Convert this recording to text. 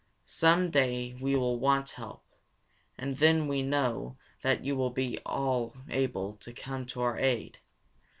Some day we will want help, and then we know that you will all come to our aid.